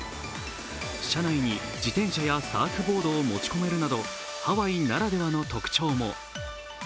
車内に自転車やサーフボードを持ち込めるなどハワイならではの特徴も。